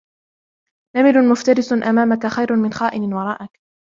نمر مفترس أمامك خير من خائن ورائك!